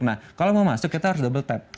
nah kalau mau masuk kita harus double tap